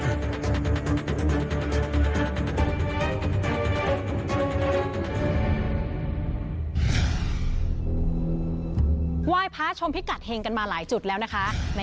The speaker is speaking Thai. ไหว้พระชมพิกัดเฮงกันมาหลายจุดแล้วนะคะ